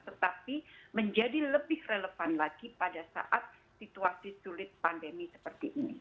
tetapi menjadi lebih relevan lagi pada saat situasi sulit pandemi seperti ini